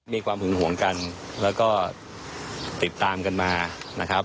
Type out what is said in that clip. มีความหึงห่วงกันแล้วก็ติดตามกันมานะครับ